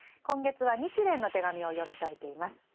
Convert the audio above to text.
今月は「日蓮の手紙」を読み解いています。